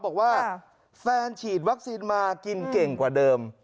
บอกว่าแฟนฉีดวัคซีนมากินเก่งกว่าเดิม